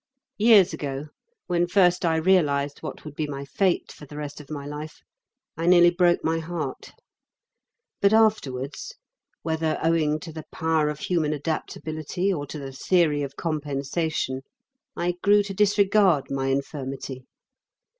Years ago, when first I realised what would be my fate for the rest of my life, I nearly broke my heart. But afterwards, whether owing to the power of human adaptability or to the theory of compensation, I grew to disregard my infirmity.